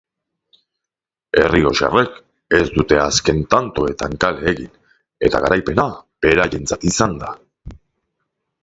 Errioxarrek ez dute azken tantoetan kale egin eta garaipena eurentzat izan da.